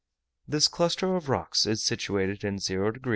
This cluster of rocks is situated in 0 degs.